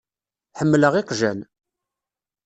Ḥemmleɣ iqjan.